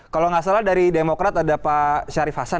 kalau nggak salah dari demokrat ada pak syarif hasan